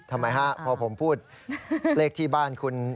ทำไมฮะพอผมพูดเลขที่บ้านคุณ